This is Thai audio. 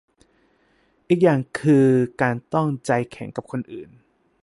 อีกอย่างคือการต้องใจแข็งกับคนอื่น